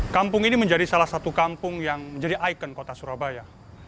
kampung ini menjadi salah satu kampung yang menjadi ikon kota surabaya